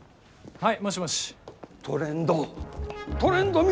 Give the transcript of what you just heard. はい。